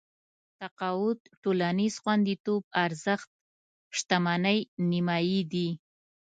تقاعد ټولنيز خونديتوب ارزښت شتمنۍ نيمايي دي.